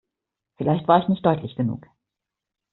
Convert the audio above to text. Vielleicht war ich nicht deutlich genug.